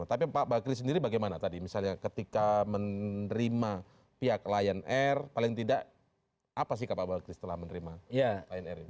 tapi pak bakri sendiri bagaimana tadi misalnya ketika menerima pihak lion air paling tidak apa sikap pak bakri setelah menerima lion air ini